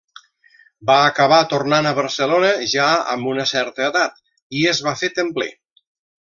Va acabar tornant a Barcelona, ja amb una certa edat, i es va fer templer.